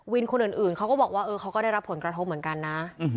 คนอื่นเขาก็บอกว่าเขาก็ได้รับผลกระทบเหมือนกันนะ